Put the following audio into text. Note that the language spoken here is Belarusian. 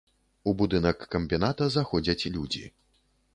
У будынак камбіната заходзяць людзі.